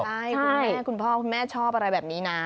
ใช่คุณแม่คุณพ่อคุณแม่ชอบอะไรแบบนี้นะ